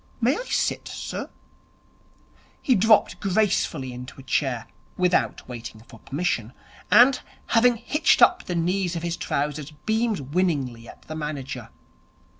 'May I sit, sir?' He dropped gracefully into a chair, without waiting for permission, and, having hitched up the knees of his trousers, beamed winningly at the manager.